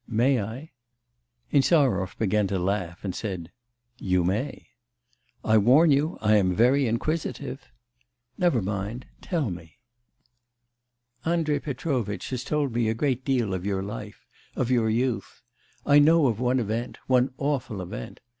May I?' Insarov began to laugh and said: 'You may.' 'I warn you I am very inquisitive.' 'Never mind, tell me.' 'Andrei Petrovitch has told me a great deal of your life, of your youth. I know of one event, one awful event....